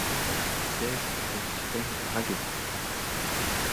seize rue Tiphaine de Raguenel